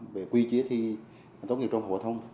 về quy chế thi tốt nghiệp trong phổ thông